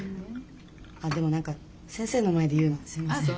あっでも何か先生の前で言うのすみません。